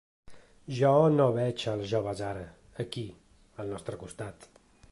Jo no veig els joves ara, aquí, al nostre costat.